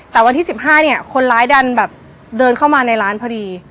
แต่วันที่๑๕เนี่ยคนร้ายดันแบบเดินเข้ามาในร้านพอดี